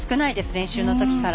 練習のときから。